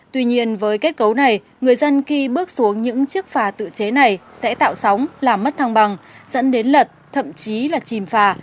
tuy nhiên với kết cấu này người dân khi bước xuống những chiếc phà tự chế này sẽ tạo sóng làm mất thăng bằng dẫn đến lật thậm chí là chìm phà